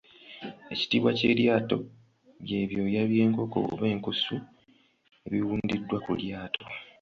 Ekitiibwa ky'eryato bye byoya by'enkoko oba enkusu ebiwundiddwa ku lyato.